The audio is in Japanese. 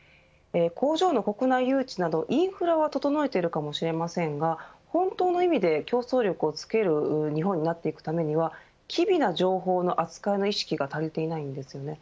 工場の国内誘致などインフラは整えているかもしれませんが本当の意味で競争力をつける日本になっていくためには機微な情報の扱いの認識が足りていないんです。